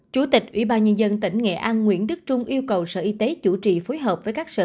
chủ tịch ủy ban nhân dân tỉnh nghệ an nguyễn đức trung yêu cầu sở y tế chủ trì phối hợp với các sở